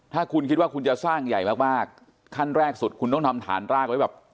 ถ้าคุณคิดว่าคุณจะสร้างใหญ่มากมากขั้นแรกสุดคุณต้องทำฐานรากไว้แบบ